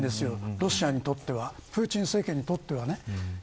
ロシアにとってはプーチン政権にとってはね。